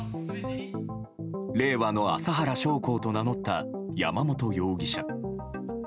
令和の麻原彰晃と名乗った山本容疑者。